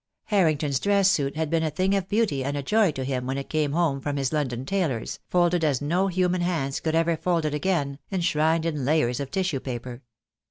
Harrington's dress suit had been a thing of beauty and a joy to him when it came home from his London tailor's, folded as no human hands could ever fold it again, enshrined in layers of tissue paper.